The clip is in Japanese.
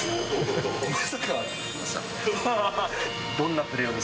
まさかの。